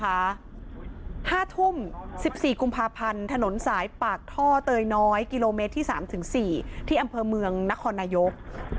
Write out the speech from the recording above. ห้าทุ่ม๑๔กุมภาพันธ์ถนนสายปากท่อเตยน้อยกิโลเมตรที่๓๔ที่อำเภอเมืองนครนายก